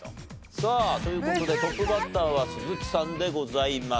さあという事でトップバッターは鈴木さんでございます。